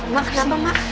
mak kenapa mak